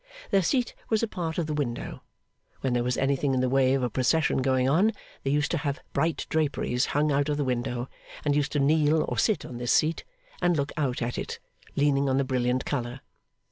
Their seat was a part of the window; when there was anything in the way of a procession going on, they used to have bright draperies hung out of the window, and used to kneel or sit on this seat, and look out at it, leaning on the brilliant colour.